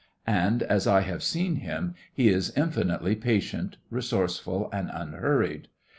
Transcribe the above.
And, as I have seen him, he is infinitely patient, resourceful, and unhurried.